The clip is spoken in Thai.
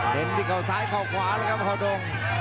เห็นดิเข้าซ้ายเข้าขวาเลยครับหาดง